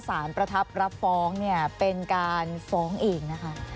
สารประทับรับฟ้องเป็นการฟ้องเองนะคะ